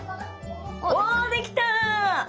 おおできた！